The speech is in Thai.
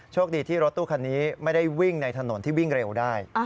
คดีที่รถตู้คันนี้ไม่ได้วิ่งในถนนที่วิ่งเร็วได้